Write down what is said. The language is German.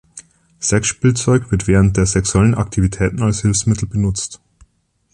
Sexspielzeug wird während der sexuellen Aktivitäten als Hilfsmittel benutzt.